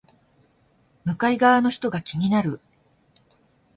向かい側の人が気になる